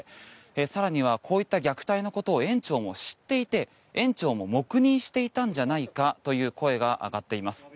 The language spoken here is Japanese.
更にはこういった虐待のことを園長も知っていて園長も黙認していたんじゃないかという声が上がっています。